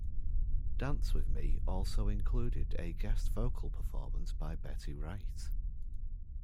"Dance With Me" also included a guest vocal performance by Betty Wright.